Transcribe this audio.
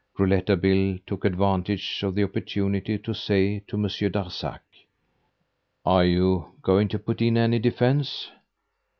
Rouletabille took advantage of the opportunity to say to Monsieur Darzac: "Are you going to put in any defense?"